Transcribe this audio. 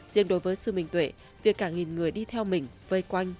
riêng đối với sư minh tuệ việc cả nghìn người đi theo mình vây quanh